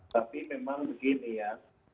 tapi memang begini ya